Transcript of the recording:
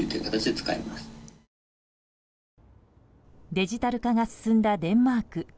デジタル化が進んだデンマーク。